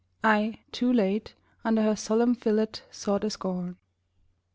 I, too late, Under her solemn fillet saw the scorn.